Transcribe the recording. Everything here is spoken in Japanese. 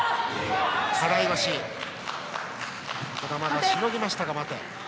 払い腰は児玉がしのぎましたが待て。